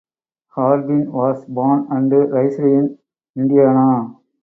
Harbin was born and raised in Indiana.